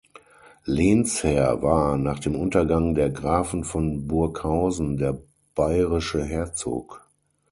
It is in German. Lehnsherr war, nach dem Untergang der Grafen von Burghausen, der bayerische Herzog.